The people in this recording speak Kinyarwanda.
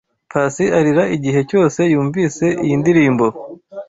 Pacy arira igihe cyose yumvise iyi ndirimbo.